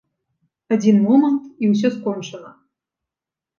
Адзін момант, і ўсё скончана.